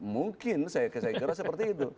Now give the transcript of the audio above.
mungkin saya kira seperti itu